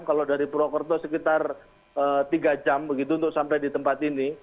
kalau dari purwokerto sekitar tiga jam begitu untuk sampai di tempat ini